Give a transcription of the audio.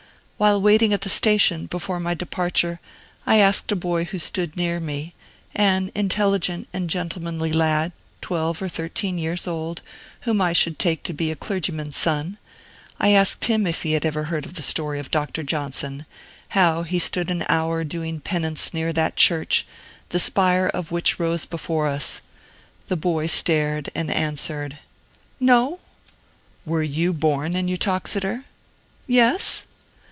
While waiting at the station, before my departure, I asked a boy who stood near me, an intelligent and gentlemanly lad, twelve or thirteen years old, whom I should take to be a clergyman's son, I asked him if he had ever heard the story of Dr. Johnson, how he stood an hour doing penance near that church, the spire of which rose before us. The boy stared and answered, "No!' "Were you born in Uttoxeter?" "Yes."